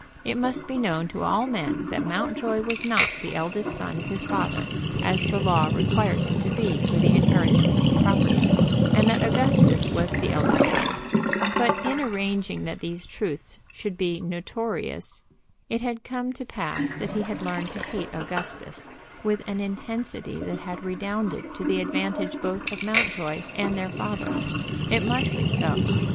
It must be known to all men that Mountjoy was not the eldest son of his father, as the law required him to be for the inheritance of the property, and that Augustus was the eldest son; but in arranging that these truths should be notorious it had come to pass that he had learned to hate Augustus with an intensity that had redounded to the advantage both of Mountjoy and their father. It must be so.